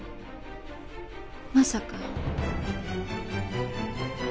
まさか。